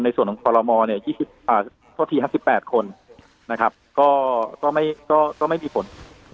ในส่วนของฝราหมอทั่วที๕๘คนก็ไม่มีผล